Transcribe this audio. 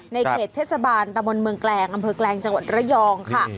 เขตเทศบาลตะบนเมืองแกลงอำเภอแกลงจังหวัดระยองค่ะ